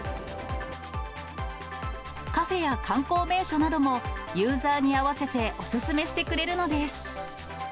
カフェや観光名所なども、ユーザーに合わせてお勧めしてくれるのです。